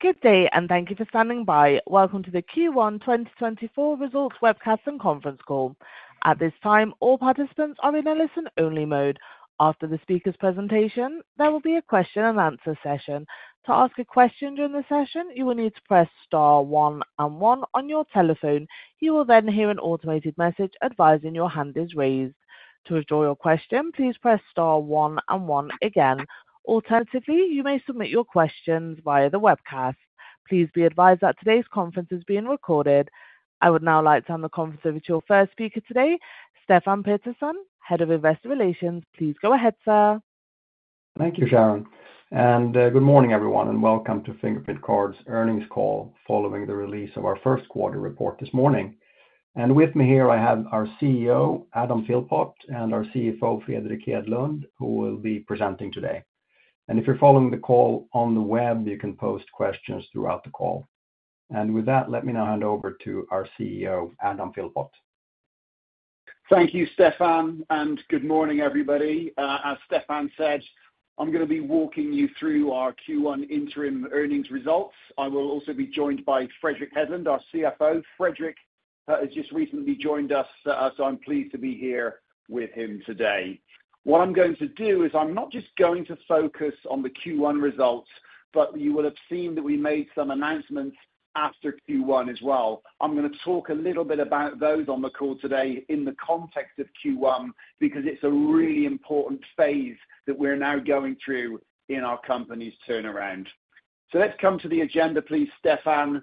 Good day, and thank you for standing by. Welcome to the Q1 2024 results webcast and conference call. At this time, all participants are in a listen-only mode. After the speaker's presentation, there will be a question and answer session. To ask a question during the session, you will need to press star one and one on your telephone. You will then hear an automated message advising your hand is raised. To withdraw your question, please press star one and one again. Alternatively, you may submit your questions via the webcast. Please be advised that today's conference is being recorded. I would now like to turn the conference over to your first speaker today, Stefan Pettersson, Head of Investor Relations. Please go ahead, sir. Thank you, Sharon, and, good morning, everyone, and welcome to Fingerprint Cards' earnings call following the release of our first quarter report this morning. With me here, I have our CEO, Adam Philpott, and our CFO, Fredrik Hedlund, who will be presenting today. If you're following the call on the web, you can post questions throughout the call. With that, let me now hand over to our CEO, Adam Philpott. Thank you, Stefan, and good morning, everybody. As Stefan said, I'm gonna be walking you through our Q1 interim earnings results. I will also be joined by Fredrik Hedlund, our CFO. Fredrik has just recently joined us, so I'm pleased to be here with him today. What I'm going to do is I'm not just going to focus on the Q1 results, but you will have seen that we made some announcements after Q1 as well. I'm gonna talk a little bit about those on the call today in the context of Q1, because it's a really important phase that we're now going through in our company's turnaround. So let's come to the agenda, please, Stefan.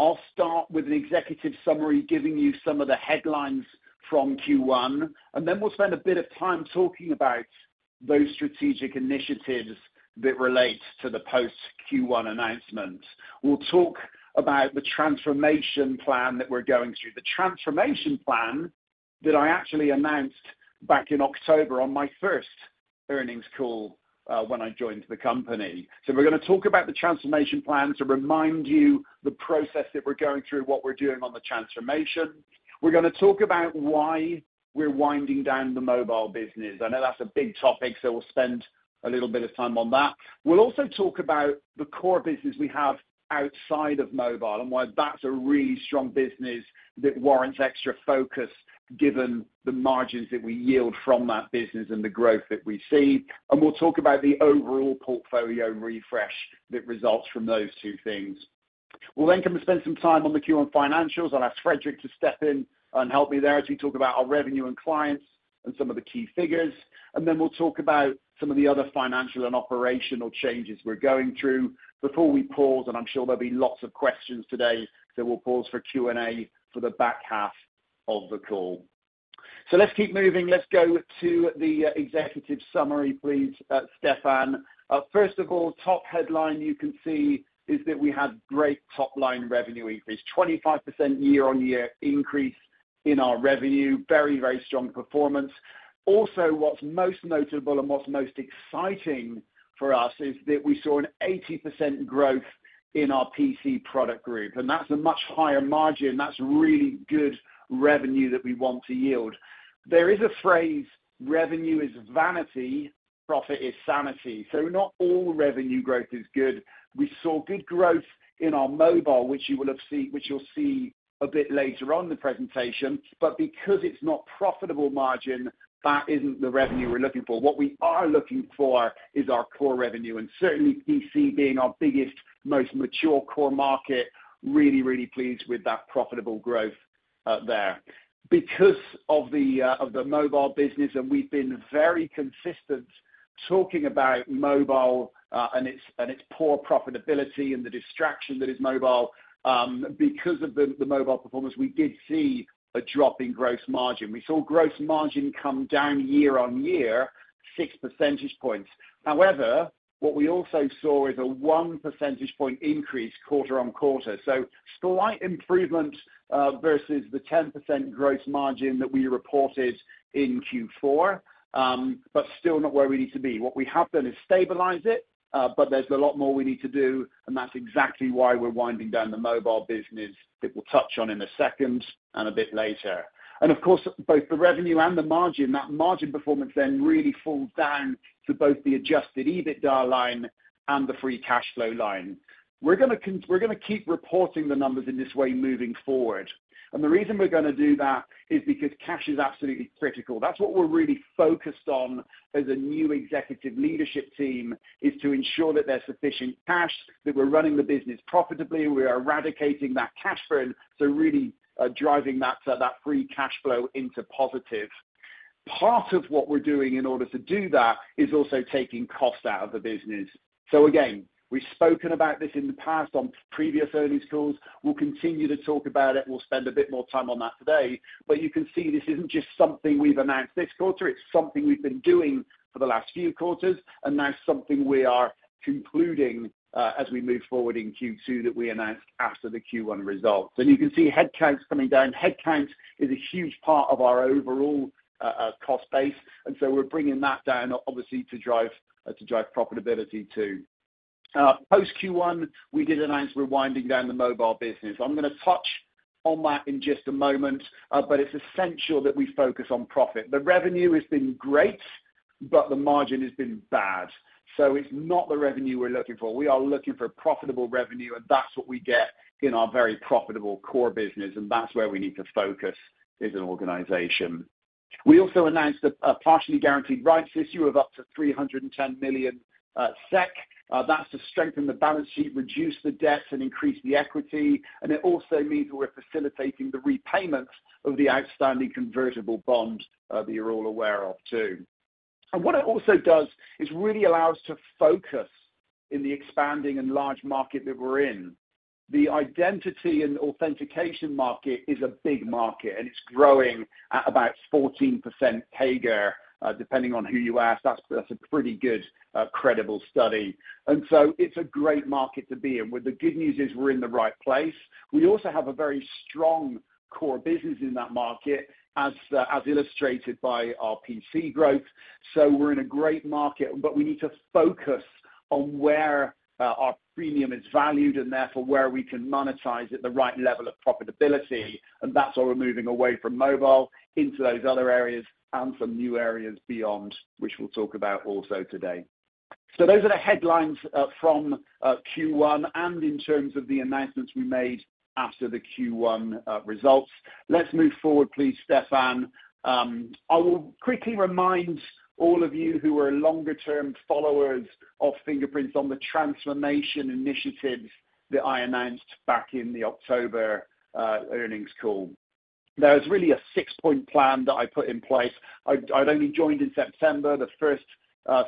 I'll start with an executive summary, giving you some of the headlines from Q1, and then we'll spend a bit of time talking about those strategic initiatives that relate to the post-Q1 announcement. We'll talk about the transformation plan that we're going through, the transformation plan that I actually announced back in October on my first earnings call, when I joined the company. So we're gonna talk about the transformation plan to remind you the process that we're going through, what we're doing on the transformation. We're gonna talk about why we're winding down the mobile business. I know that's a big topic, so we'll spend a little bit of time on that. We'll also talk about the core business we have outside of mobile, and why that's a really strong business that warrants extra focus, given the margins that we yield from that business and the growth that we see. We'll talk about the overall portfolio refresh that results from those two things. We'll then come and spend some time on the Q1 financials. I'll ask Fredrik to step in and help me there as we talk about our revenue and clients and some of the key figures. We'll talk about some of the other financial and operational changes we're going through before we pause, and I'm sure there'll be lots of questions today, so we'll pause for Q&A for the back half of the call. Let's keep moving. Let's go to the executive summary, please, Stefan. First of all, top headline you can see is that we had great top-line revenue increase, 25% year-on-year increase in our revenue. Very, very strong performance. Also, what's most notable and what's most exciting for us is that we saw an 80% growth in our PC product group, and that's a much higher margin. That's really good revenue that we want to yield. There is a phrase, "Revenue is vanity, profit is sanity," so not all revenue growth is good. We saw good growth in our mobile, which you'll see a bit later on in the presentation, but because it's not profitable margin, that isn't the revenue we're looking for. What we are looking for is our core revenue, and certainly PC being our biggest, most mature core market, really, really pleased with that profitable growth, there. Because of the mobile business, and we've been very consistent talking about mobile, and its poor profitability and the distraction that is mobile, because of the mobile performance, we did see a drop in gross margin. We saw gross margin come down year-on-year, six percentage points. However, what we also saw is a one percentage point increase quarter-over-quarter. So slight improvement, versus the 10% gross margin that we reported in Q4, but still not where we need to be. What we have done is stabilize it, but there's a lot more we need to do, and that's exactly why we're winding down the mobile business, that we'll touch on in a second and a bit later. And of course, both the revenue and the margin, that margin performance then really falls down to both the Adjusted EBITDA line and the free cash flow line. We're gonna keep reporting the numbers in this way moving forward, and the reason we're gonna do that is because cash is absolutely critical. That's what we're really focused on as a new executive leadership team, is to ensure that there's sufficient cash, that we're running the business profitably, we're eradicating that cash burn, so really driving that free cash flow into positive. Part of what we're doing in order to do that is also taking cost out of the business. So again, we've spoken about this in the past on previous earnings calls. We'll continue to talk about it. We'll spend a bit more time on that today, but you can see this isn't just something we've announced this quarter. It's something we've been doing for the last few quarters, and now something we are concluding as we move forward in Q2, that we announced after the Q1 results. And you can see headcounts coming down. Headcount is a huge part of our overall cost base, and so we're bringing that down obviously to drive profitability too. Post Q1, we did announce we're winding down the mobile business. I'm gonna touch on that in just a moment, but it's essential that we focus on profit. The revenue has been great, but the margin has been bad, so it's not the revenue we're looking for. We are looking for profitable revenue, and that's what we get in our very profitable core business, and that's where we need to focus as an organization. We also announced a partially guaranteed rights issue of up to 310 million SEK. That's to strengthen the balance sheet, reduce the debt, and increase the equity, and it also means we're facilitating the repayment of the outstanding convertible bond that you're all aware of, too. What it also does is really allow us to focus in the expanding and large market that we're in. The identity and authentication market is a big market, and it's growing at about 14% CAGR, depending on who you ask. That's a pretty good credible study. So it's a great market to be in. Well, the good news is we're in the right place. We also have a very strong core business in that market, as, as illustrated by our PC growth, so we're in a great market, but we need to focus on where, our premium is valued, and therefore, where we can monetize at the right level of profitability, and that's why we're moving away from mobile into those other areas and some new areas beyond, which we'll talk about also today. So those are the headlines, from Q1, and in terms of the announcements we made after the Q1 results. Let's move forward, please, Stefan. I will quickly remind all of you who are longer term followers of Fingerprint on the transformation initiatives that I announced back in the October earnings call. There was really a six-point plan that I put in place. I'd only joined in September. The first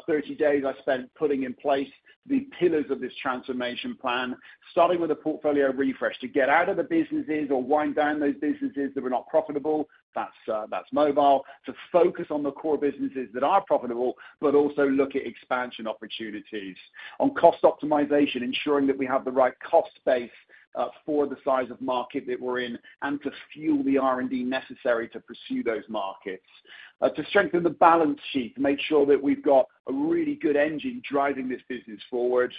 30 days I spent putting in place the pillars of this transformation plan, starting with a portfolio refresh to get out of the businesses or wind down those businesses that were not profitable, that's, that's mobile. To focus on the core businesses that are profitable, but also look at expansion opportunities. On cost optimization, ensuring that we have the right cost base, for the size of market that we're in, and to fuel the R&D necessary to pursue those markets. To strengthen the balance sheet, make sure that we've got a really good engine driving this business forward.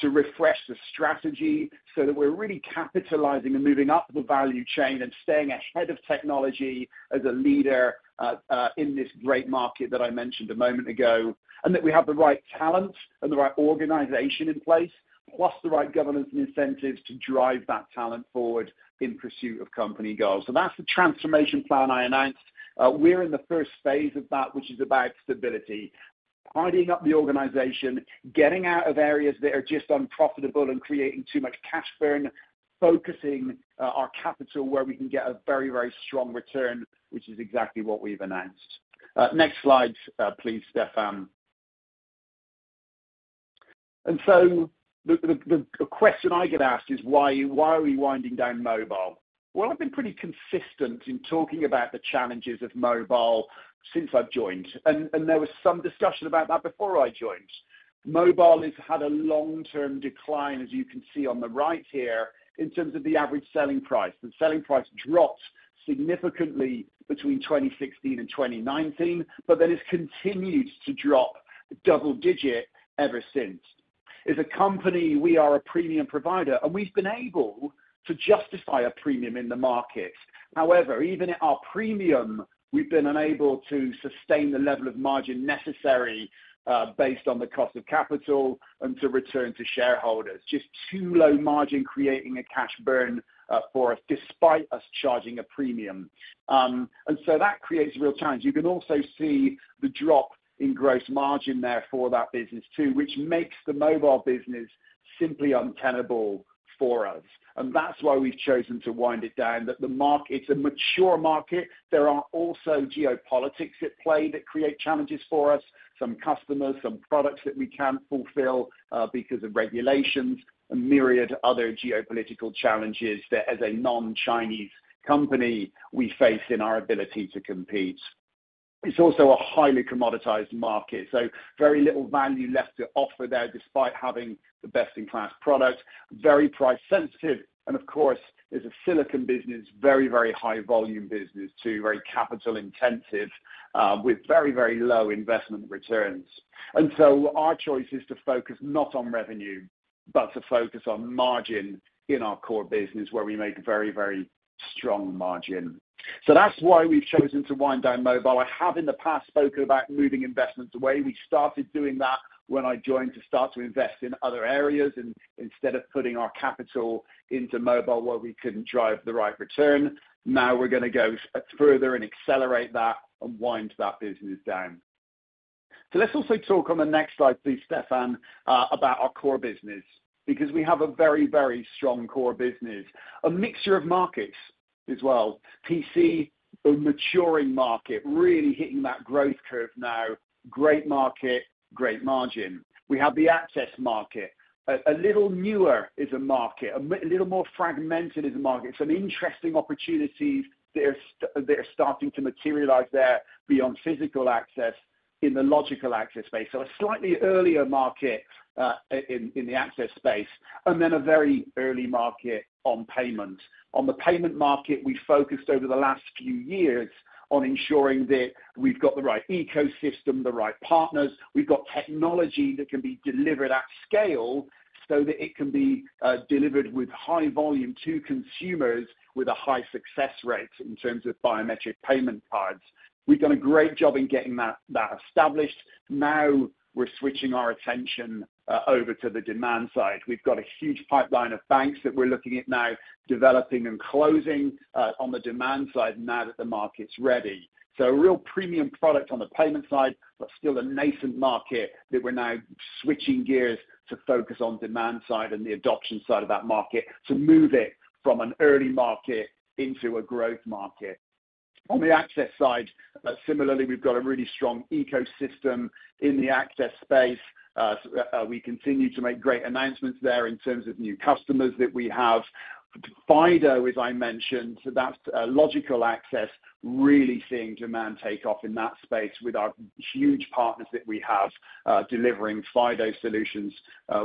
To refresh the strategy so that we're really capitalizing and moving up the value chain and staying ahead of technology as a leader, in this great market that I mentioned a moment ago, and that we have the right talent and the right organization in place, plus the right governance and incentives to drive that talent forward in pursuit of company goals. So that's the transformation plan I announced. We're in the first phase of that, which is about stability, tidying up the organization, getting out of areas that are just unprofitable and creating too much cash burn, focusing our capital where we can get a very, very strong return, which is exactly what we've announced. Next slide, please, Stefan. So the question I get asked is, why, why are we winding down Mobile? Well, I've been pretty consistent in talking about the challenges of Mobile since I've joined, and there was some discussion about that before I joined. Mobile has had a long-term decline, as you can see on the right here, in terms of the average selling price. The selling price dropped significantly between 2016 and 2019, but then it's continued to drop double digit ever since. As a company, we are a premium provider, and we've been able to justify a premium in the market. However, even at our premium, we've been unable to sustain the level of margin necessary, based on the cost of capital and to return to shareholders, just too low margin, creating a cash burn, for us, despite us charging a premium. And so that creates a real challenge. You can also see the drop in gross margin there for that business, too, which makes the mobile business simply untenable for us. And that's why we've chosen to wind it down. It's a mature market. There are also geopolitics at play that create challenges for us, some customers, some products that we can't fulfill, because of regulations and myriad other geopolitical challenges that as a non-Chinese company, we face in our ability to compete. It's also a highly commoditized market, so very little value left to offer there, despite having the best-in-class product, very price sensitive, and of course, as a silicon business, very, very high volume business, too, very capital intensive, with very, very low investment returns. And so our choice is to focus not on revenue, but to focus on margin in our core business, where we make very, very strong margin. So that's why we've chosen to wind down mobile. I have, in the past, spoken about moving investments away. We started doing that when I joined, to start to invest in other areas, and instead of putting our capital into mobile, where we couldn't drive the right return, now we're going to go further and accelerate that and wind that business down. So let's also talk on the next slide, please, Stefan, about our core business, because we have a very, very strong core business, a mixture of markets as well. PC, a maturing market, really hitting that growth curve now. Great market, great margin. We have the access market. A little newer as a market, a little more fragmented as a market. Some interesting opportunities. They're starting to materialize there beyond physical access in the logical access space. So a slightly earlier market in the access space, and then a very early market on payment. On the payment market, we focused over the last few years on ensuring that we've got the right ecosystem, the right partners. We've got technology that can be delivered at scale so that it can be delivered with high volume to consumers with a high success rate in terms of Biometric Payment Cards. We've done a great job in getting that established. Now we're switching our attention over to the demand side. We've got a huge pipeline of banks that we're looking at now, developing and closing on the demand side now that the market's ready. So a real premium product on the payment side, but still a nascent market that we're now switching gears to focus on demand side and the adoption side of that market, to move it from an early market into a growth market. On the access side, similarly, we've got a really strong ecosystem in the access space. We continue to make great announcements there in terms of new customers that we have. FIDO, as I mentioned, so that's logical access, really seeing demand take off in that space with our huge partners that we have, delivering FIDO solutions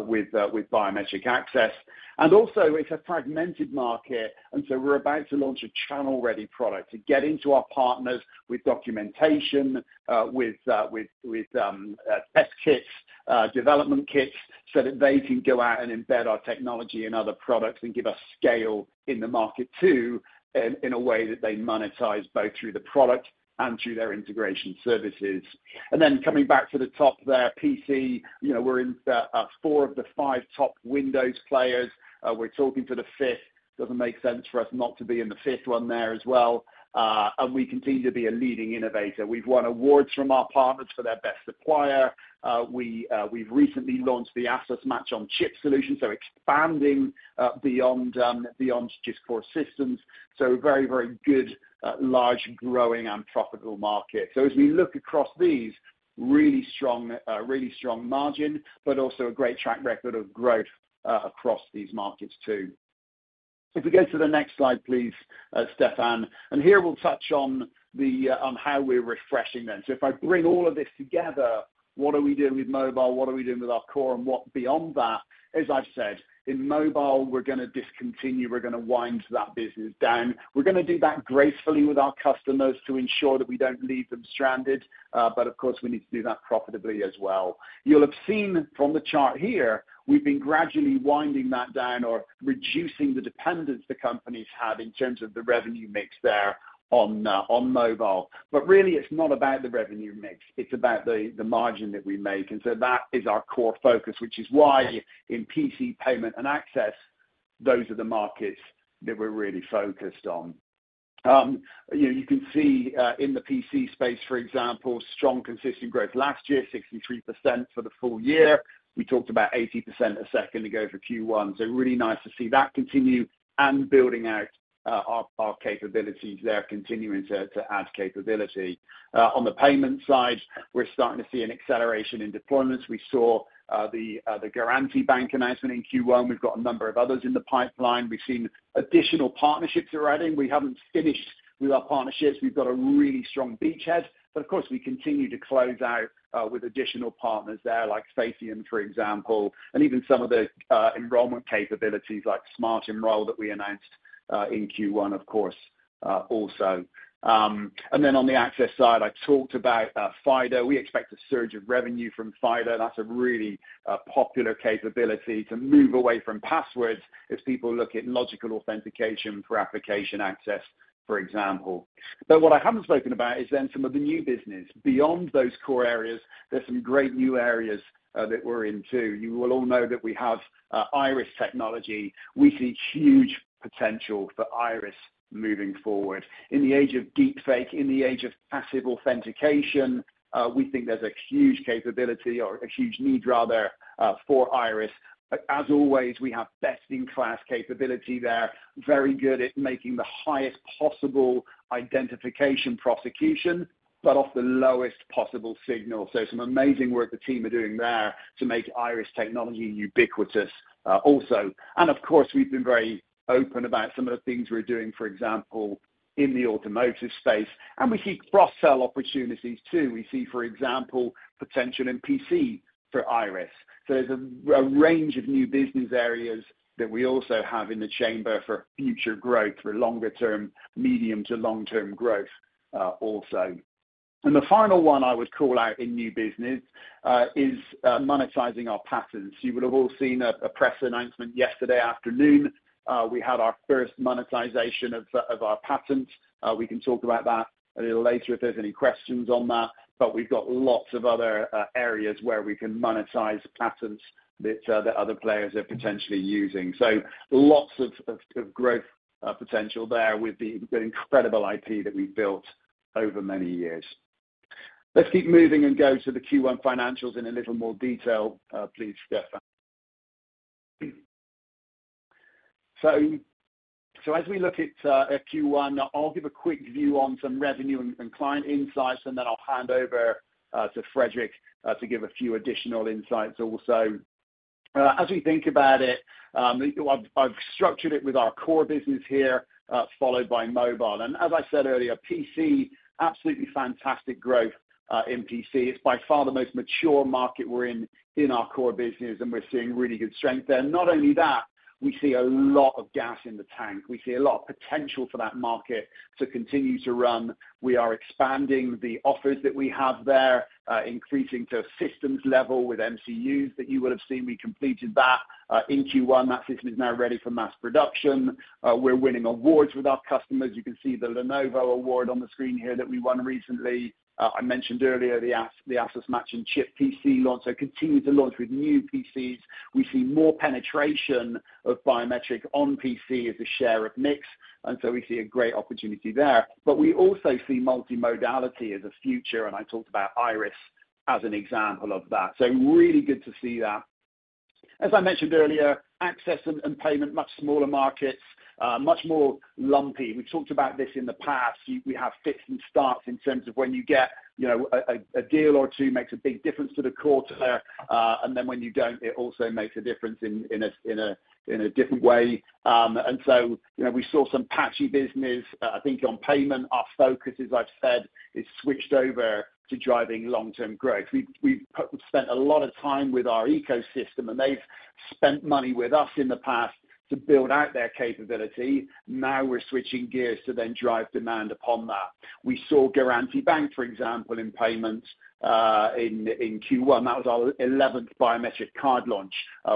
with biometric access. Also, it's a fragmented market, and so we're about to launch a channel-ready product to get into our partners with documentation, with test kits, development kits, so that they can go out and embed our technology in other products and give us scale in the market, too, in a way that they monetize both through the product and through their integration services. Then, coming back to the top there, PC, you know, we're in four of the five top Windows players. We're talking to the fifth. Doesn't make sense for us not to be in the fifth one there as well. And we continue to be a leading innovator. We've won awards from our partners for their best supplier. We've recently launched the Match-on-Chip solution, so expanding beyond just core systems. So very, very good, large, growing and profitable market. So as we look across these, really strong, really strong margin, but also a great track record of growth, across these markets, too. If we go to the next slide, please, Stefan, and here we'll touch on the, on how we're refreshing them. So if I bring all of this together, what are we doing with mobile? What are we doing with our core? And what beyond that? As I've said, in mobile, we're gonna discontinue, we're gonna wind that business down. We're gonna do that gracefully with our customers to ensure that we don't leave them stranded. But of course, we need to do that profitably as well. You'll have seen from the chart here, we've been gradually winding that down or reducing the dependence the companies have in terms of the revenue mix there on, on mobile. But really, it's not about the revenue mix, it's about the margin that we make, and so that is our core focus, which is why in PC, payment, and access, those are the markets that we're really focused on. You know, you can see in the PC space, for example, strong, consistent growth. Last year, 63% for the full year. We talked about 80% a second ago for Q1, so really nice to see that continue and building out our capabilities there, continuing to add capability. On the payment side, we're starting to see an acceleration in deployments. We saw the Garanti BBVA announcement in Q1. We've got a number of others in the pipeline. We've seen additional partnerships already. We haven't finished with our partnerships. We've got a really strong beachhead, but of course, we continue to close out with additional partners there, like Feitian, for example, and even some of the enrollment capabilities like Smart'Nroll that we announced in Q1, of course, also. And then on the access side, I talked about FIDO. We expect a surge of revenue from FIDO. That's a really popular capability to move away from passwords as people look at logical authentication for application access, for example. But what I haven't spoken about is then some of the new business. Beyond those core areas, there's some great new areas that we're in, too. You will all know that we have iris technology. We see huge potential for Iris moving forward. In the age of deepfake, in the age of passive authentication, we think there's a huge capability or a huge need, rather, for Iris. But as always, we have best-in-class capability there. Very good at making the highest possible identification precision, but off the lowest possible signal. So some amazing work the team are doing there to make Iris technology ubiquitous, also. And of course, we've been very open about some of the things we're doing, for example, in the automotive space, and we see cross-sell opportunities, too. We see, for example, potential in PC for Iris. So there's a range of new business areas that we also have in the chamber for future growth, for longer term, medium to long-term growth, also. And the final one I would call out in new business is monetizing our patents. You will have all seen a press announcement yesterday afternoon. We had our first monetization of our patents. We can talk about that a little later if there's any questions on that, but we've got lots of other areas where we can monetize patents that other players are potentially using. So lots of growth potential there with the incredible IP that we've built over many years. Let's keep moving and go to the Q1 financials in a little more detail, please, Stefan. So as we look at Q1, I'll give a quick view on some revenue and client insights, and then I'll hand over to Fredrik to give a few additional insights also. As we think about it, I've structured it with our core business here, followed by mobile. As I said earlier, PC, absolutely fantastic growth in PC. It's by far the most mature market we're in, in our core business, and we're seeing really good strength there. Not only that, we see a lot of gas in the tank. We see a lot of potential for that market to continue to run. We are expanding the offers that we have there, increasing to a systems level with MCUs, that you will have seen we completed that in Q1. That system is now ready for mass production. We're winning awards with our customers. You can see the Lenovo award on the screen here that we won recently. I mentioned earlier the ASUS Match-on-Chip PC launch. So continue to launch with new PCs. We see more penetration of biometric on PC as a share of mix, and so we see a great opportunity there. But we also see multimodality as a future, and I talked about Iris as an example of that. So really good to see that. As I mentioned earlier, Access and Payment, much smaller markets, much more lumpy. We talked about this in the past. We have fits and starts in terms of when you get, you know, a deal or two makes a big difference to the quarter. And then when you don't, it also makes a difference in a different way. And so, you know, we saw some patchy business. I think on Payment, our focus, as I've said, is switched over to driving long-term growth. We've spent a lot of time with our ecosystem, and they've spent money with us in the past to build out their capability. Now, we're switching gears to then drive demand upon that. We saw Garanti BBVA, for example, in payments, in Q1. That was our eleventh biometric card launch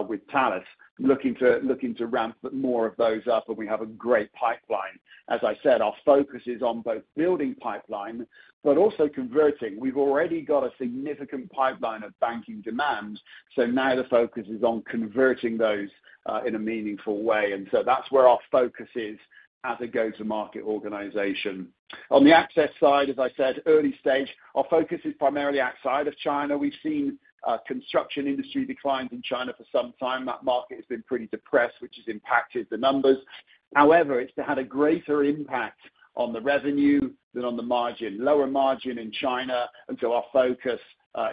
with Thales. Looking to ramp more of those up, and we have a great pipeline. As I said, our focus is on both building pipeline, but also converting. We've already got a significant pipeline of banking demand, so now the focus is on converting those in a meaningful way. And so that's where our focus is as a go-to-market organization. On the access side, as I said, early stage, our focus is primarily outside of China. We've seen a construction industry decline in China for some time. That market has been pretty depressed, which has impacted the numbers. However, it's had a greater impact on the revenue than on the margin. Lower margin in China, and so our focus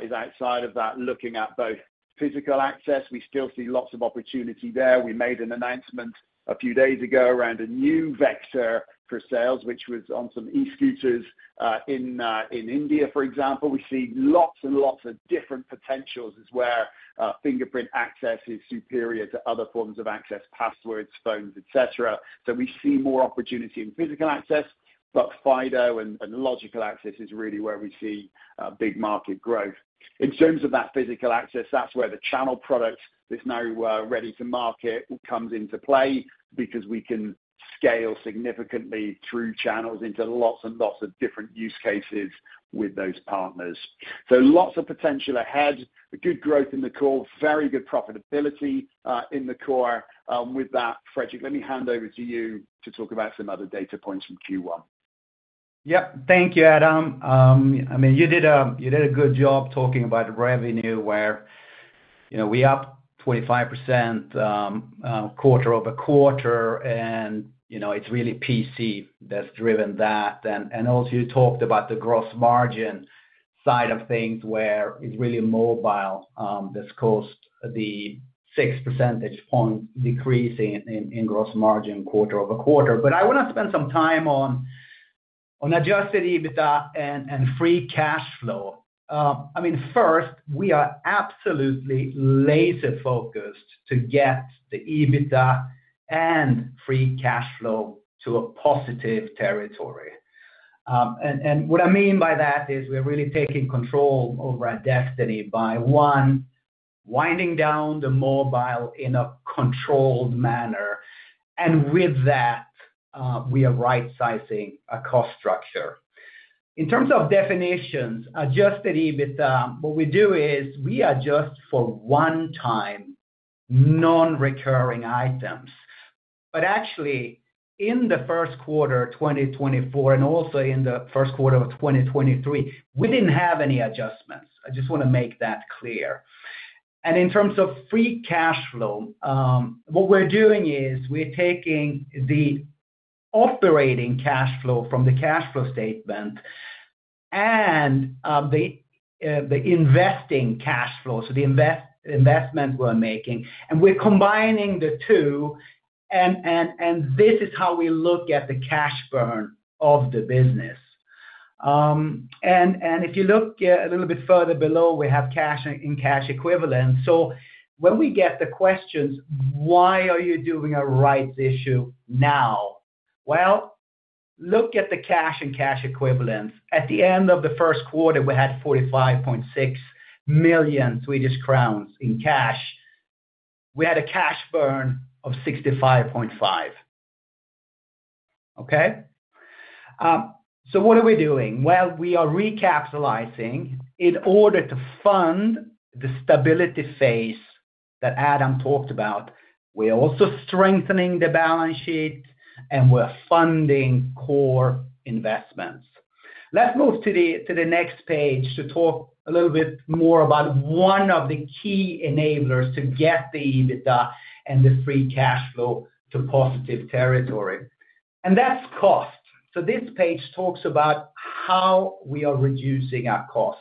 is outside of that, looking at both physical access, we still see lots of opportunity there. We made an announcement a few days ago around a new vector for sales, which was on some e-scooters in India, for example. We see lots and lots of different potentials as where fingerprint access is superior to other forms of access, passwords, phones, et cetera. So we see more opportunity in physical access, but FIDO and logical access is really where we see big market growth. In terms of that physical access, that's where the channel product that's now ready to market comes into play because we can scale significantly through channels into lots and lots of different use cases with those partners. So lots of potential ahead, a good growth in the core, very good profitability in the core. With that, Fredrik, let me hand over to you to talk about some other data points from Q1. Yep. Thank you, Adam. I mean, you did a good job talking about the revenue where, you know, we up 25%, quarter-over-quarter, and, you know, it's really PC that's driven that. And also you talked about the gross margin side of things, where it's really mobile that's caused the six percentage point decrease in gross margin quarter-over-quarter. But I want to spend some time on Adjusted EBITDA and free cash flow. I mean, first, we are absolutely laser-focused to get the EBITDA and free cash flow to a positive territory. And what I mean by that is we're really taking control over our destiny by, one, winding down the mobile in a controlled manner, and with that, we are rightsizing our cost structure. In terms of definitions, Adjusted EBITDA, what we do is, we adjust for one-time, non-recurring items. But actually, in the first quarter, 2024, and also in the first quarter of 2023, we didn't have any adjustments. I just want to make that clear. In terms of free cash flow, what we're doing is we're taking the operating cash flow from the cash flow statement and, the investing cash flow, so the investment we're making, and we're combining the two, and this is how we look at the cash burn of the business. If you look a little bit further below, we have cash and cash equivalents. So when we get the questions, Why are you doing a rights issue now? Well, look at the cash and cash equivalents. At the end of the first quarter, we had 45.6 million Swedish crowns in cash. We had a cash burn of 65.5 million. Okay? So what are we doing? Well, we are recapitalizing in order to fund the stability phase that Adam talked about. We are also strengthening the balance sheet, and we're funding core investments. Let's move to the next page to talk a little bit more about one of the key enablers to get the EBITDA and the free cash flow to positive territory. And that's cost. So this page talks about how we are reducing our cost.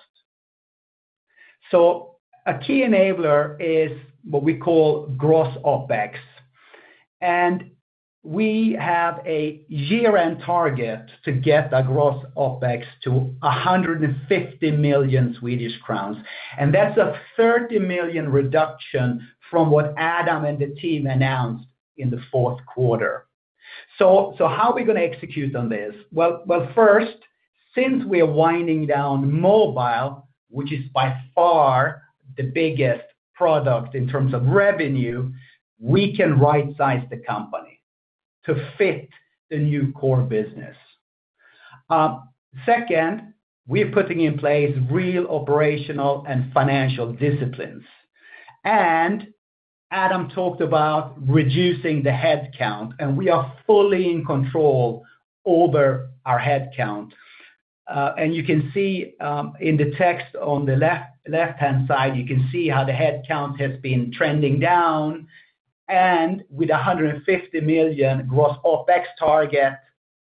So a key enabler is what we call gross OpEx, and we have a year-end target to get the gross OpEx to 150 million Swedish crowns, and that's a 30 million reduction from what Adam and the team announced in the fourth quarter. So how are we gonna execute on this? Well, first, since we are winding down mobile, which is by far the biggest product in terms of revenue, we can right size the company to fit the new core business. Second, we're putting in place real operational and financial disciplines. And Adam talked about reducing the headcount, and we are fully in control over our headcount. You can see in the text on the left-hand side how the headcount has been trending down, and with a 150 million Gross OpEx target,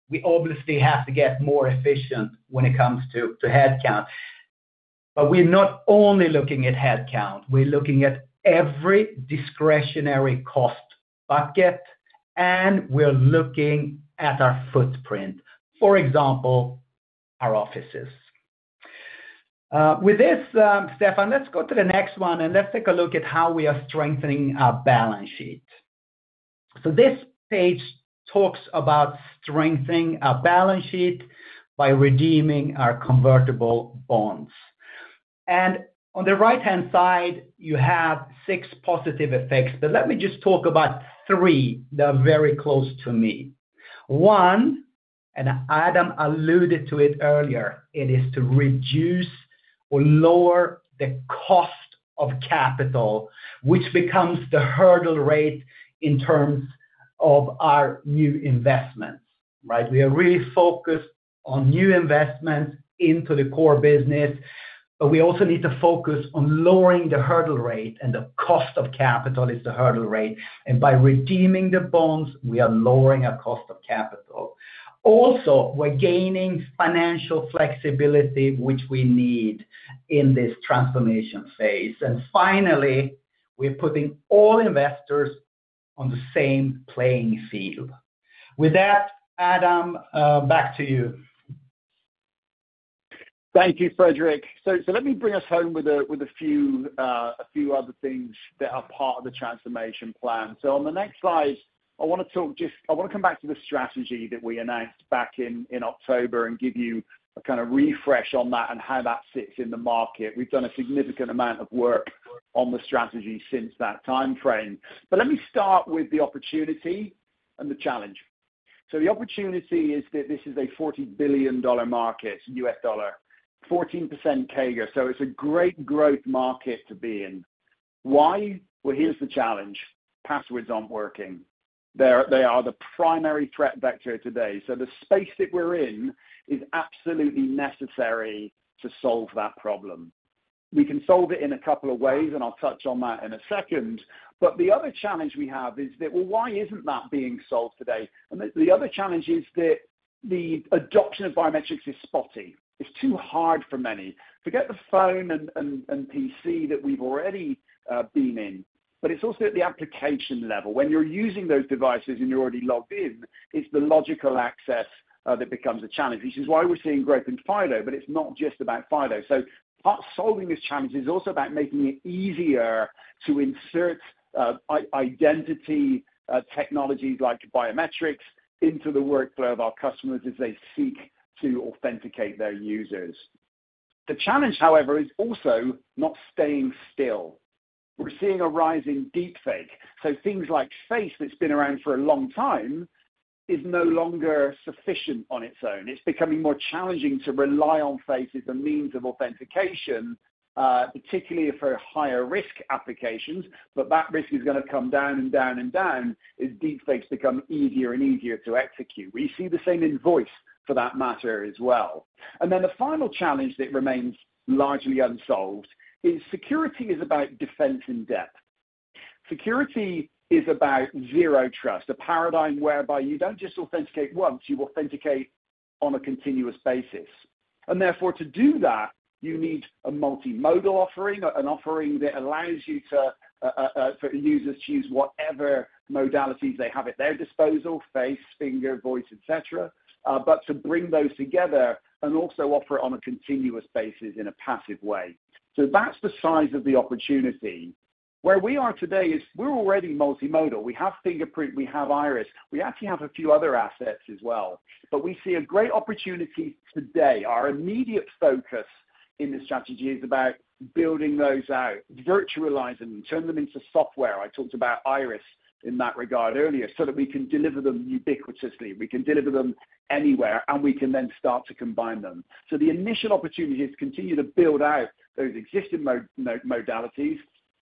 we obviously have to get more efficient when it comes to headcount. But we're not only looking at headcount, we're looking at every discretionary cost bucket, and we're looking at our footprint, for example, our offices. With this, Stefan, let's go to the next one, and let's take a look at how we are strengthening our balance sheet. This page talks about strengthening our balance sheet by redeeming our convertible bonds. On the right-hand side, you have 6 positive effects, but let me just talk about three that are very close to me. One, and Adam alluded to it earlier, it is to reduce or lower the cost of capital, which becomes the hurdle rate in terms of our new investments, right? We are really focused on new investments into the core business, but we also need to focus on lowering the hurdle rate, and the cost of capital is the hurdle rate. And by redeeming the bonds, we are lowering our cost of capital. Also, we're gaining financial flexibility, which we need in this transformation phase. And finally, we're putting all investors on the same playing field. With that, Adam, back to you. Thank you, Fredrik. So let me bring us home with a few other things that are part of the transformation plan. So on the next slide, I wanna talk just. I wanna come back to the strategy that we announced back in October and give you a kind of refresh on that and how that sits in the market. We've done a significant amount of work on the strategy since that time frame, but let me start with the opportunity and the challenge. So the opportunity is that this is a $40 billion market, US dollar, 14% CAGR, so it's a great growth market to be in. Why? Well, here's the challenge: passwords aren't working. They're, they are the primary threat vector today. So the space that we're in is absolutely necessary to solve that problem. We can solve it in a couple of ways, and I'll touch on that in a second. But the other challenge we have is that, well, why isn't that being solved today? The other challenge is that the adoption of biometrics is spotty. It's too hard for many. Forget the phone and PC that we've already been in, but it's also at the application level. When you're using those devices and you're already logged in, it's the logical access that becomes a challenge, which is why we're seeing growth in FIDO, but it's not just about FIDO. So part of solving this challenge is also about making it easier to insert identity technologies like biometrics into the workflow of our customers as they seek to authenticate their users. The challenge, however, is also not staying still. We're seeing a rise in deepfake, so things like face, that's been around for a long time, is no longer sufficient on its own. It's becoming more challenging to rely on face as a means of authentication, particularly for higher risk applications, but that risk is gonna come down and down and down as deepfakes become easier and easier to execute. We see the same in voice for that matter as well. And then the final challenge that remains largely unsolved is security is about defense in-depth. Security is about zero trust, a paradigm whereby you don't just authenticate once, you authenticate on a continuous basis. And therefore, to do that, you need a multimodal offering, an offering that allows you to, for users to use whatever modalities they have at their disposal, face, finger, voice, et cetera, but to bring those together and also offer on a continuous basis in a passive way. So that's the size of the opportunity. Where we are today is we're already multimodal. We have fingerprint, we have Iris, we actually have a few other assets as well, but we see a great opportunity today. Our immediate focus in this strategy is about building those out, virtualize them, and turn them into software. I talked about Iris in that regard earlier, so that we can deliver them ubiquitously, we can deliver them anywhere, and we can then start to combine them. So the initial opportunity is to continue to build out those existing modalities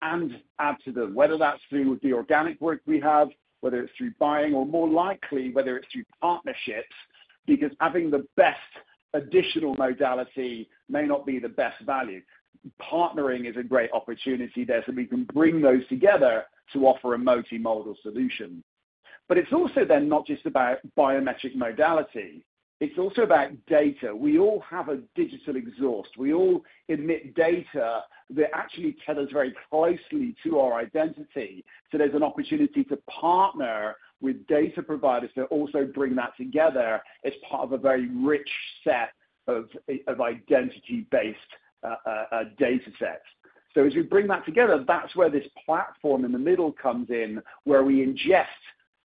and add to them, whether that's through the organic work we have, whether it's through buying, or more likely, whether it's through partnerships because having the best additional modality may not be the best value. Partnering is a great opportunity there, so we can bring those together to offer a multimodal solution. But it's also then not just about biometric modality, it's also about data. We all have a digital exhaust. We all emit data that actually tell us very closely to our identity. So there's an opportunity to partner with data providers to also bring that together as part of a very rich set of identity-based data sets. So as you bring that together, that's where this platform in the middle comes in, where we ingest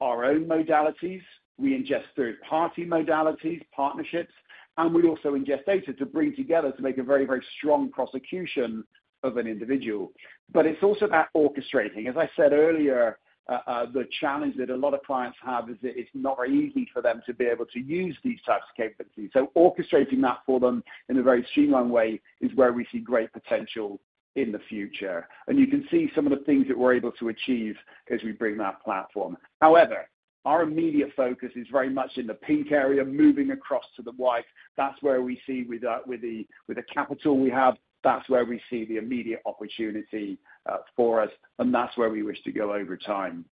our own modalities, we ingest third-party modalities, partnerships, and we also ingest data to bring together to make a very, very strong prosecution of an individual. But it's also about orchestrating. As I said earlier, the challenge that a lot of clients have is that it's not very easy for them to be able to use these types of capabilities. So orchestrating that for them in a very streamlined way is where we see great potential in the future. And you can see some of the things that we're able to achieve as we bring that platform. However, our immediate focus is very much in the pink area, moving across to the white. That's where we see with the capital we have, that's where we see the immediate opportunity, for us, and that's where we wish to go over time.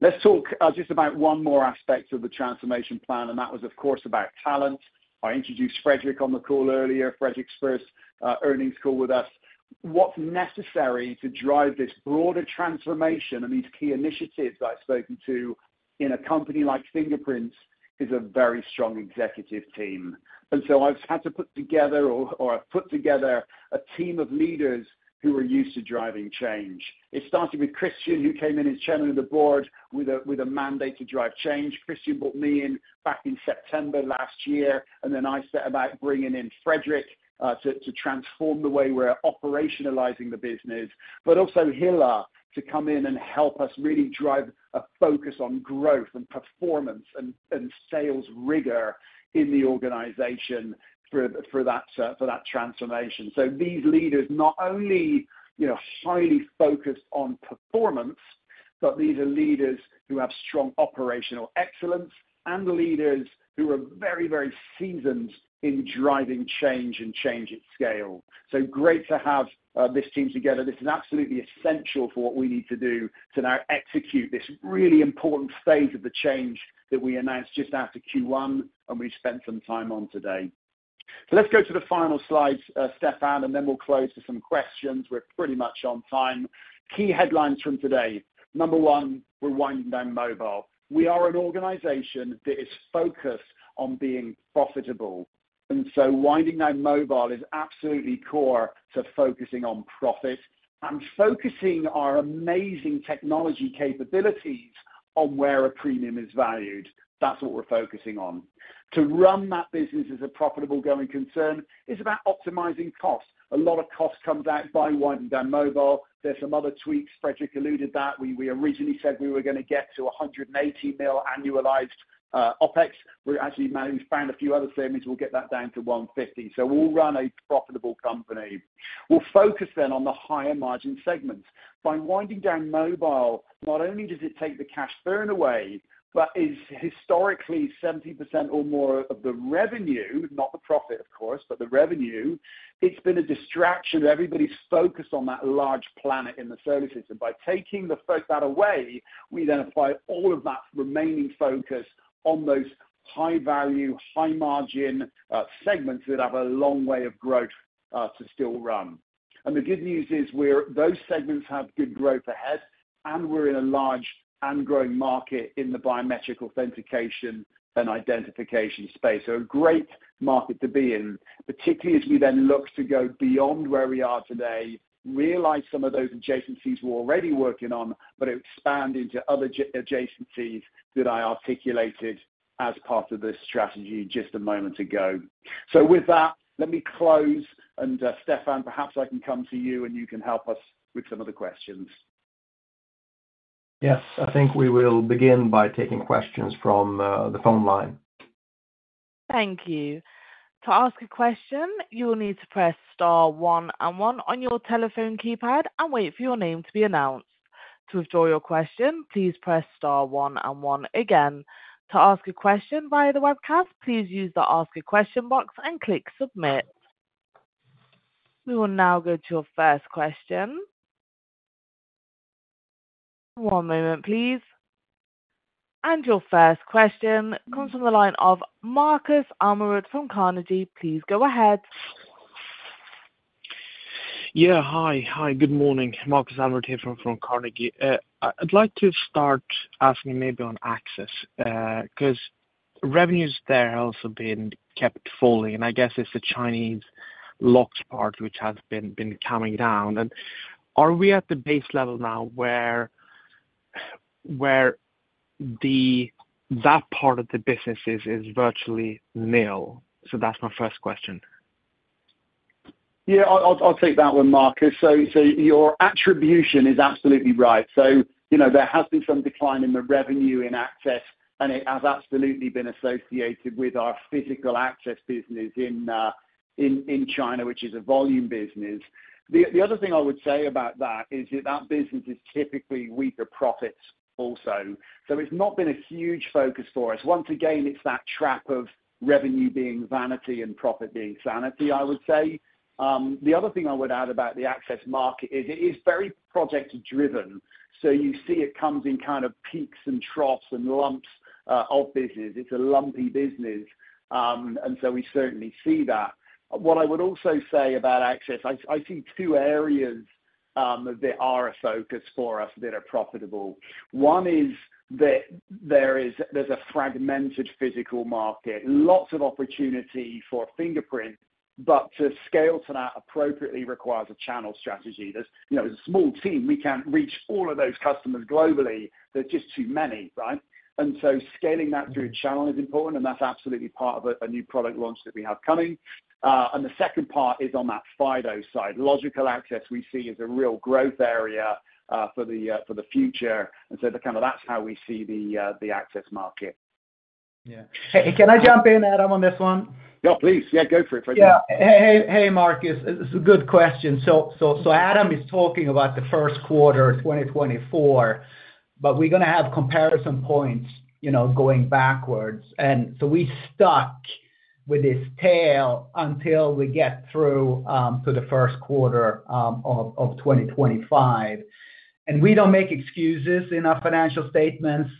Let's talk just about one more aspect of the transformation plan, and that was, of course, about talent. I introduced Fredrik on the call earlier, Fredrik's first earnings call with us. What's necessary to drive this broader transformation and these key initiatives that I've spoken to in a company like Fingerprint's, is a very strong executive team. And so I've had to put together I've put together a team of leaders who are used to driving change. It started with Christian, who came in as chairman of the board with a mandate to drive change. Christian brought me in back in September last year, and then I set about bringing in Fredrik to transform the way we're operationalizing the business, but also Hila, to come in and help us really drive a focus on growth and performance and sales rigor in the organization for that transformation. So these leaders, not only, you know, highly focused on performance, but these are leaders who have strong operational excellence and leaders who are very, very seasoned in driving change and change at scale. So great to have this team together. This is absolutely essential for what we need to do to now execute this really important phase of the change that we announced just after Q1, and we've spent some time on today. So let's go to the final slide, Stefan, and then we'll close to some questions. We're pretty much on time. Key headlines from today: number one, we're winding down mobile. We are an organization that is focused on being profitable, and so winding down mobile is absolutely core to focusing on profit and focusing our amazing technology capabilities on where a premium is valued. That's what we're focusing on. To run that business as a profitable going concern is about optimizing costs. A lot of costs come down by winding down mobile. There's some other tweaks, Fredrik alluded that. We originally said we were gonna get to 180 million annualized OpEx. We've actually managed, found a few other things, we'll get that down to 150 million. So we'll run a profitable company. We'll focus then on the higher margin segments. By winding down Mobile, not only does it take the cash burn away, but is historically 70% or more of the revenue, not the profit, of course, but the revenue, it's been a distraction. Everybody's focused on that large part of the sensors, and by taking that away, we then apply all of that remaining focus on those high value, high margin segments that have a long way of growth to still run. And the good news is, those segments have good growth ahead, and we're in a large and growing market in the biometric authentication and identification space. So a great market to be in, particularly as we then look to go beyond where we are today, realize some of those adjacencies we're already working on, but expand into other adjacencies that I articulated as part of this strategy just a moment ago. So with that, let me close, and Stefan, perhaps I can come to you and you can help us with some of the questions. Yes, I think we will begin by taking questions from the phone line. Thank you. To ask a question, you will need to press star one and one on your telephone keypad and wait for your name to be announced. To withdraw your question, please press star one and one again. To ask a question via the webcast, please use the Ask a Question box and click Submit. We will now go to our first question. One moment, please. Your first question comes from the line of Markus Almerud from Carnegie. Please go ahead. Yeah, hi. Hi, good morning. Markus Almerud here from Carnegie. I'd like to start asking maybe on Access, 'cause revenues there have also been kept falling, and I guess it's the Chinese locks part, which has been coming down. And are we at the base level now where that part of the business is virtually nil? So that's my first question. Yeah, I'll take that one, Markus. So your attribution is absolutely right. So, you know, there has been some decline in the revenue in Access, and it has absolutely been associated with our physical access business in China, which is a volume business. The other thing I would say about that is that that business is typically weaker profits also. So it's not been a huge focus for us. Once again, it's that trap of revenue being vanity and profit being sanity, I would say. The other thing I would add about the Access market is it is very project driven, so you see it comes in kind of peaks and troughs and lumps of business. It's a lumpy business, and so we certainly see that. What I would also say about access, I see two areas that are a focus for us that are profitable. One is that there is there's a fragmented physical market, lots of opportunity for fingerprint, but to scale to that appropriately requires a channel strategy. There's, you know, a small team, we can't reach all of those customers globally. They're just too many, right? And so scaling that through a channel is important, and that's absolutely part of a new product launch that we have coming. And the second part is on that FIDO side. Logical access we see is a real growth area for the future, and so that kind of that's how we see the access market. Yeah. Hey, can I jump in, Adam, on this one? Yeah, please. Yeah, go for it, Fredrik. Yeah. Hey, hey, Markus, it's a good question. So Adam is talking about the first quarter, 2024, but we're gonna have comparison points, you know, going backwards. So we stuck with this tail until we get through to the first quarter of 2025. We don't make excuses in our financial statements,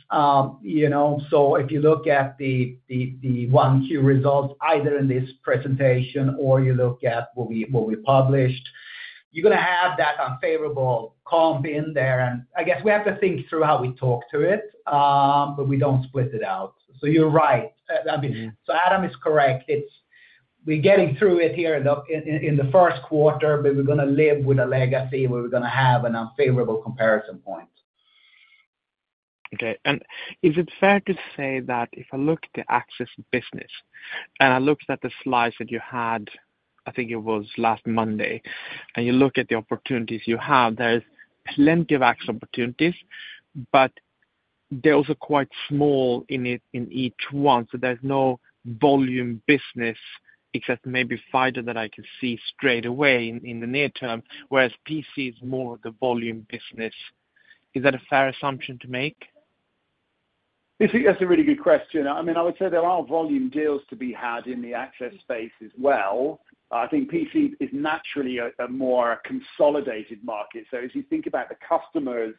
you know, so if you look at the 1Q results, either in this presentation or you look at what we published, you're gonna have that unfavorable comp in there, and I guess we have to think through how we talk to it, but we don't split it out. So you're right. I mean, so Adam is correct. It's, we're getting through it here in the first quarter, but we're gonna live with a legacy where we're gonna have an unfavorable comparison point. Okay. And is it fair to say that if I look at the access business, and I looked at the slides that you had, I think it was last Monday, and you look at the opportunities you have, there's plenty of access opportunities, but they're also quite small in it in each one, so there's no volume business, except maybe FIDO, that I can see straight away in the near term, whereas PC is more the volume business. Is that a fair assumption to make? I think that's a really good question. I mean, I would say there are volume deals to be had in the access space as well. I think PC is naturally a more consolidated market. So as you think about the customers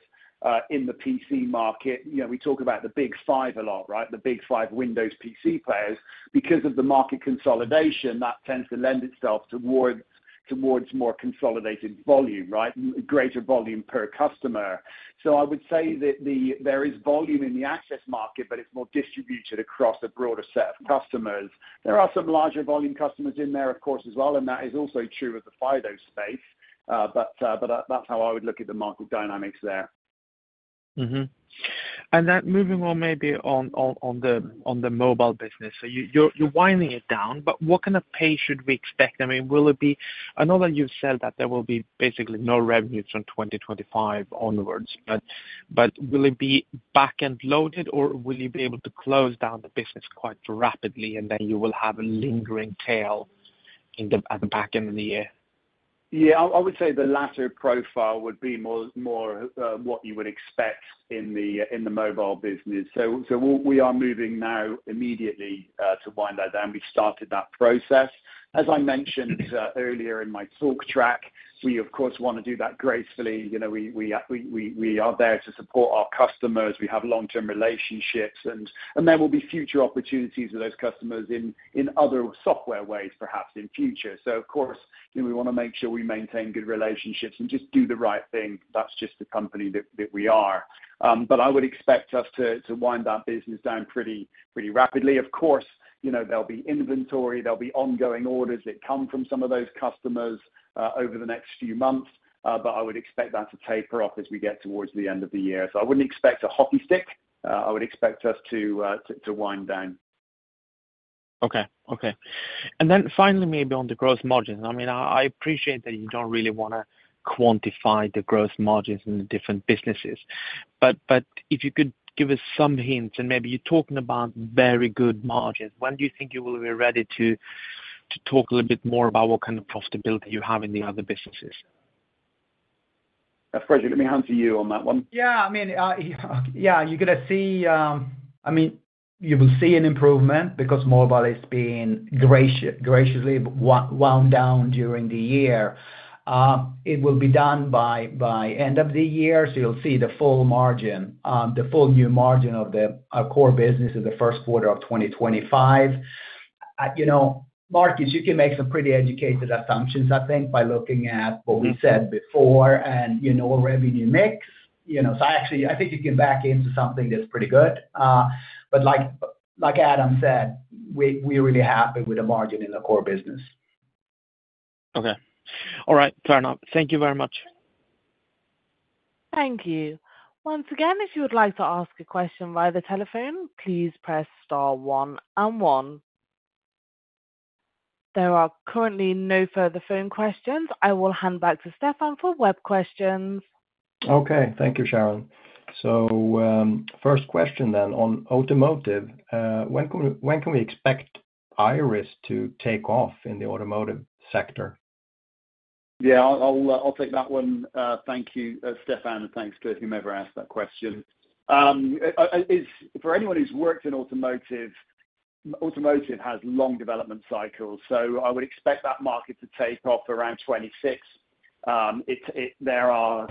in the PC market, you know, we talk about the big five a lot, right? The big five Windows PC players. Because of the market consolidation, that tends to lend itself towards more consolidated volume, right? Greater volume per customer. So I would say that there is volume in the access market, but it's more distributed across a broader set of customers. There are some larger volume customers in there, of course, as well, and that is also true of the FIDO space. But that, that's how I would look at the market dynamics there. Mm-hmm. And then moving on maybe to the mobile business. So you're winding it down, but what kind of pace should we expect? I mean, will it be... I know that you've said that there will be basically no revenues from 2025 onwards, but will it be back-end loaded, or will you be able to close down the business quite rapidly, and then you will have a lingering tail at the back end of the year? Yeah, I would say the latter profile would be more what you would expect in the mobile business. So what we are moving now immediately to wind that down, we started that process. As I mentioned earlier in my talk track, we of course want to do that gracefully. You know, we are there to support our customers. We have long-term relationships, and there will be future opportunities with those customers in other software ways, perhaps in future. So of course, you know, we wanna make sure we maintain good relationships and just do the right thing. That's just the company that we are. But I would expect us to wind that business down pretty rapidly. Of course, you know, there'll be inventory, there'll be ongoing orders that come from some of those customers, over the next few months, but I would expect that to taper off as we get towards the end of the year. So I wouldn't expect a hockey stick. I would expect us to wind down. Okay. Okay. And then finally, maybe on the growth margins. I mean, I appreciate that you don't really wanna quantify the growth margins in the different businesses, but if you could give us some hints, and maybe you're talking about very good margins, when do you think you will be ready to talk a little bit more about what kind of profitability you have in the other businesses? Fredrik, let me hand to you on that one. Yeah, I mean, yeah, you're gonna see... I mean, you will see an improvement because mobile is being graciously wound down during the year. It will be done by end of the year, so you'll see the full margin, the full new margin of the core business in the first quarter of 2025. You know, Markus, you can make some pretty educated assumptions, I think, by looking at what we said before- Mm-hmm. and, you know, our revenue mix. You know, so actually, I think you can back into something that's pretty good. But like, like Adam said, we, we're really happy with the margin in the core business. Okay. All right, fair enough. Thank you very much. Thank you. Once again, if you would like to ask a question via the telephone, please press star one and one. There are currently no further phone questions. I will hand back to Stefan for web questions. Okay. Thank you, Sharon. So, first question then on automotive. When can we expect Iris to take off in the automotive sector? ... Yeah, I'll, I'll take that one. Thank you, Stefan, and thanks to whomever asked that question. For anyone who's worked in automotive, automotive has long development cycles, so I would expect that market to take off around 2026. It, there are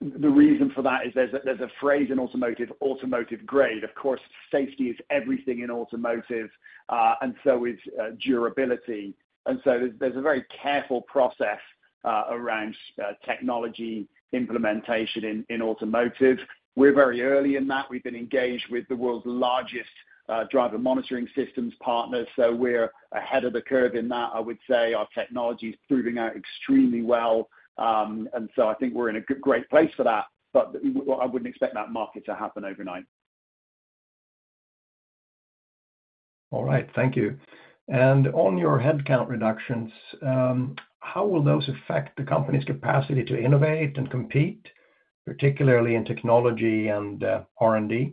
the reason for that is there's a phrase in automotive, automotive grade. Of course, safety is everything in automotive, and so is durability. And so there's a very careful process around technology implementation in automotive. We're very early in that. We've been engaged with the world's largest driver monitoring systems partners, so we're ahead of the curve in that. I would say our technology is proving out extremely well. And so I think we're in a great place for that, but I wouldn't expect that market to happen overnight. All right, thank you. On your headcount reductions, how will those affect the company's capacity to innovate and compete, particularly in technology and R&D?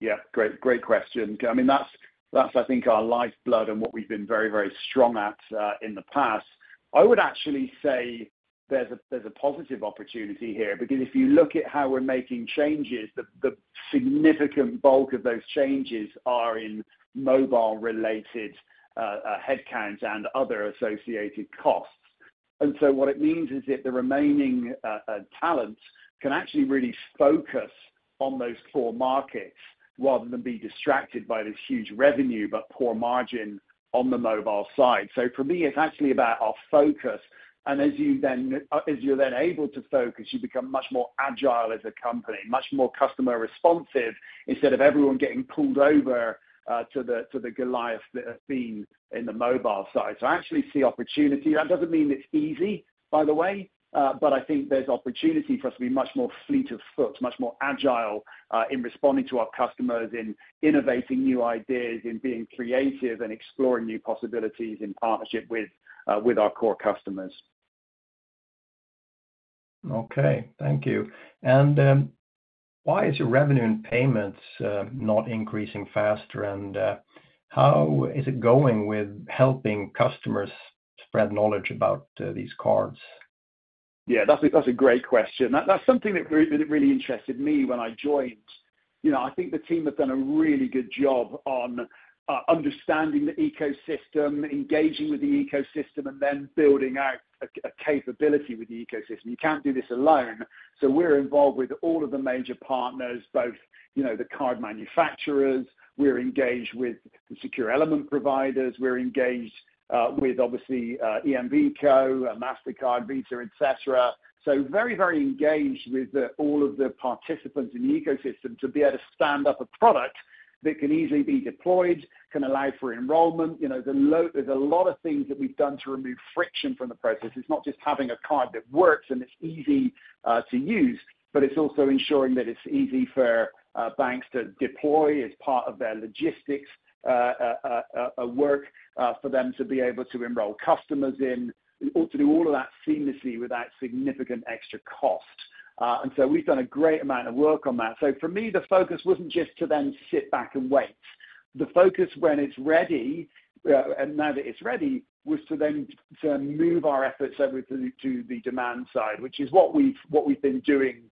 Yeah, great, great question. I mean, that's, that's, I think, our lifeblood and what we've been very, very strong at in the past. I would actually say there's a, there's a positive opportunity here, because if you look at how we're making changes, the significant bulk of those changes are in mobile-related headcounts and other associated costs. And so what it means is that the remaining talents can actually really focus on those core markets rather than be distracted by this huge revenue, but poor margin on the mobile side. So for me, it's actually about our focus, and as you then, as you're then able to focus, you become much more agile as a company, much more customer responsive, instead of everyone getting pulled over to the Goliath theme in the mobile side. So I actually see opportunity. That doesn't mean it's easy, by the way, but I think there's opportunity for us to be much more fleet of foot, much more agile, in responding to our customers, in innovating new ideas, in being creative, and exploring new possibilities in partnership with our core customers. Okay, thank you. And why is your revenue and payments not increasing faster? And how is it going with helping customers spread knowledge about these cards? Yeah, that's a great question. That's something that really interested me when I joined. You know, I think the team have done a really good job on understanding the ecosystem, engaging with the ecosystem, and then building out a capability with the ecosystem. You can't do this alone, so we're involved with all of the major partners, both, you know, the card manufacturers. We're engaged with the secure element providers. We're engaged with obviously EMVCo, Mastercard, Visa, etc. So very, very engaged with all of the participants in the ecosystem to be able to stand up a product that can easily be deployed, can allow for enrollment. You know, there's a lot of things that we've done to remove friction from the process. It's not just having a card that works, and it's easy to use, but it's also ensuring that it's easy for banks to deploy as part of their logistics workflow for them to be able to enroll customers in. To do all of that seamlessly without significant extra cost. And so we've done a great amount of work on that. So for me, the focus wasn't just to then sit back and wait. The focus, when it's ready, and now that it's ready, was to then to move our efforts over to the demand side, which is what we've, what we've been doing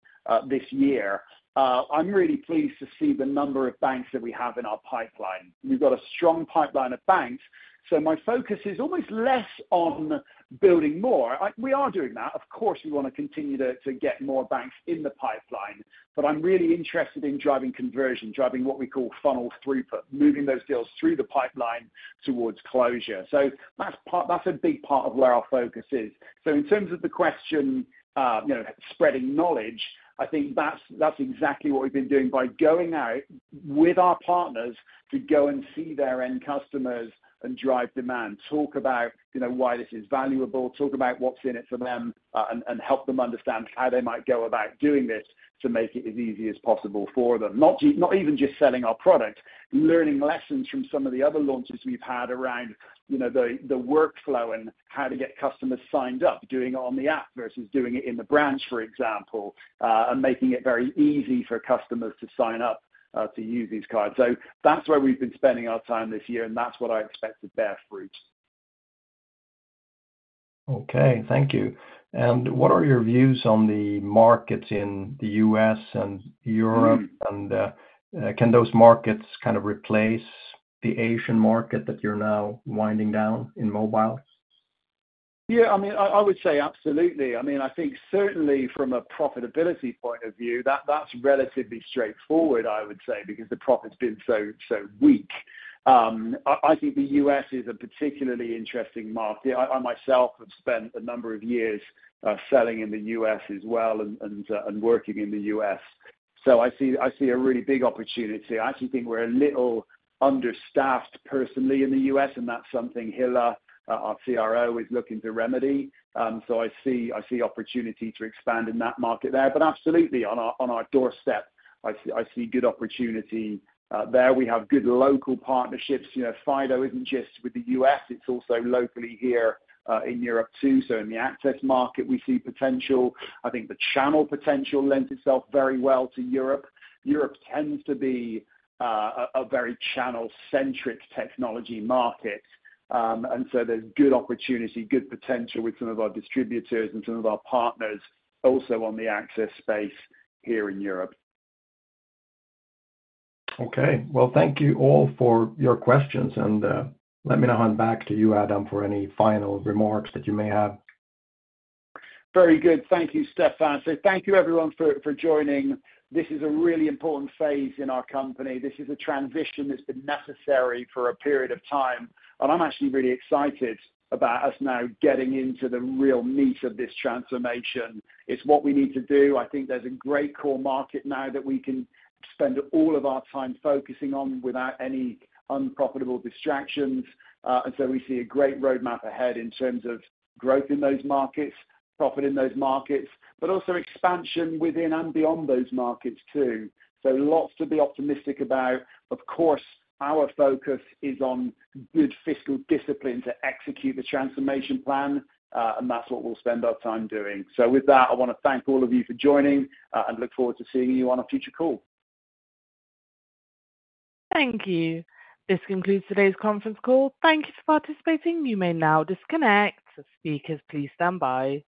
this year. I'm really pleased to see the number of banks that we have in our pipeline. We've got a strong pipeline of banks, so my focus is almost less on building more. We are doing that. Of course, we want to continue to get more banks in the pipeline, but I'm really interested in driving conversion, driving what we call funnel throughput, moving those deals through the pipeline towards closure. So that's part—that's a big part of where our focus is. So in terms of the question, you know, spreading knowledge, I think that's—that's exactly what we've been doing by going out with our partners to go and see their end customers and drive demand. Talk about, you know, why this is valuable, talk about what's in it for them, and help them understand how they might go about doing this to make it as easy as possible for them. Not even just selling our product, learning lessons from some of the other launches we've had around, you know, the workflow and how to get customers signed up, doing it on the app versus doing it in the branch, for example, and making it very easy for customers to sign up to use these cards. So that's where we've been spending our time this year, and that's what I expect to bear fruit. Okay, thank you. What are your views on the markets in the U.S. and Europe? Mm. Can those markets kind of replace the Asian market that you're now winding down in mobile? Yeah, I mean, I would say absolutely. I mean, I think certainly from a profitability point of view, that's relatively straightforward, I would say, because the profit's been so weak. I think the U.S. is a particularly interesting market. I myself have spent a number of years selling in the U.S. as well and working in the U.S., so I see a really big opportunity. I actually think we're a little understaffed personally in the U.S., and that's something Hila, our CRO, is looking to remedy. So I see opportunity to expand in that market there. But absolutely, on our doorstep, I see good opportunity there. We have good local partnerships. You know, FIDO isn't just with the U.S., it's also locally here in Europe, too. So in the access market, we see potential. I think the channel potential lends itself very well to Europe. Europe tends to be a very channel-centric technology market. And so there's good opportunity, good potential with some of our distributors and some of our partners also on the access space here in Europe. Okay. Well, thank you all for your questions, and, let me now hand back to you, Adam, for any final remarks that you may have. Very good. Thank you, Stefan. So thank you everyone for joining. This is a really important phase in our company. This is a transition that's been necessary for a period of time, and I'm actually really excited about us now getting into the real meat of this transformation. It's what we need to do. I think there's a great core market now that we can spend all of our time focusing on without any unprofitable distractions. And so we see a great roadmap ahead in terms of growth in those markets, profit in those markets, but also expansion within and beyond those markets, too. So lots to be optimistic about. Of course, our focus is on good fiscal discipline to execute the transformation plan, and that's what we'll spend our time doing. With that, I want to thank all of you for joining and look forward to seeing you on a future call. Thank you. This concludes today's conference call. Thank you for participating. You may now disconnect. Speakers, please stand by.